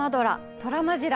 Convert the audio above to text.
トラマジラ！」。